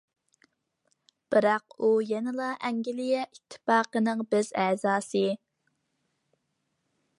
بىراق ئۇ يەنىلا ئەنگلىيە ئىتتىپاقىنىڭ بىز ئەزاسى.